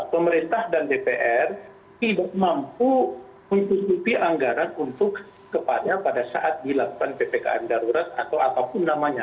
pemerintah dan dpr tidak mampu menutupi anggaran untuk kepada pada saat dilakukan ppkm darurat atau apapun namanya